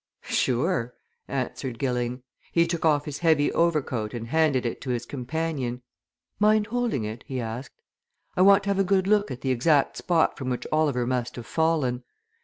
"Sure!" answered Gilling. He took off his heavy overcoat and handed it to his companion. "Mind holding it?" he asked. "I want to have a good look at the exact spot from which Oliver must have fallen.